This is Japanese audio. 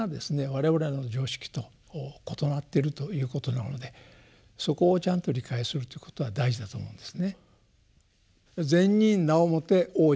我々の常識と異なってるということなのでそこをちゃんと理解するということは大事だと思うんですね。